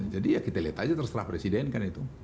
jadi ya kita lihat aja terserah presiden kan itu